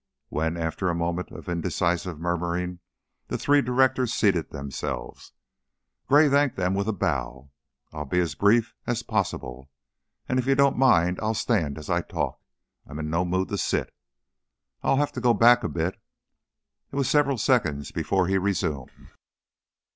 When, after a moment of indecisive murmuring, the three directors seated themselves, Gray thanked them with a bow. "I'll be as brief as possible, and if you don't mind I'll stand as I talk. I'm in no mood to sit. I'll have to go back a bit " It was several seconds before he resumed.